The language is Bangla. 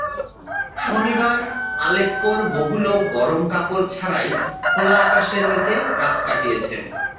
শনিবার আলেপ্পোর বহু লোক গরম কাপড় ছাড়াই খোলা আকাশের নিচে রাত কাটিয়েছে।